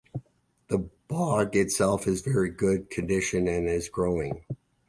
The bog itself is in very good condition and is growing.